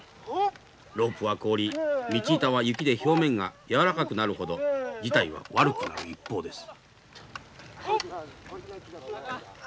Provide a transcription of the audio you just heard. ロープは凍り道板は雪で表面が柔らかくなるほど事態は悪くなる一方です。